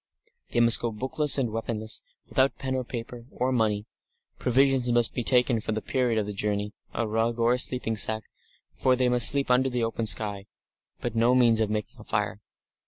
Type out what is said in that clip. They must go bookless and weaponless, without pen or paper, or money. Provisions must be taken for the period of the journey, a rug or sleeping sack for they must sleep under the open sky but no means of making a fire.